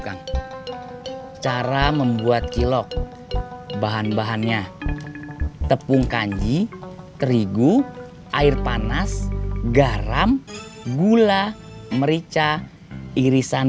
kang cara membuat kilok bahan bahannya tepung kanji terigu air panas garam gula merica irisan